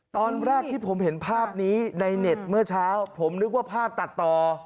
ตอนแรกที่ผมเห็นภาพนี้ในเน็ตเมื่อเช้าผมนึกว่าภาพตัดต่อ